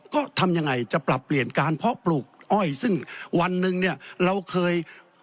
ก็ทำยังไงจะปรับเปลี่ยนการเพาะปลูกอ้อยซึ่งวันหนึ่งเนี่ยเราเคย